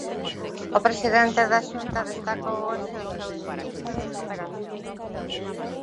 O presidente da Xunta destacou hoxe o seu espírito de superación.